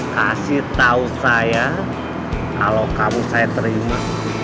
kasih tahu saya kalau kamu saya terima